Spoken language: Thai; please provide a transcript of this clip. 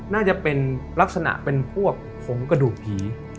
น่าจะเป็นลักษณะเป็นพวกผงกระดูกผี